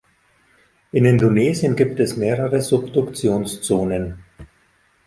In Indonesien gibt es mehrere Subduktionszonen.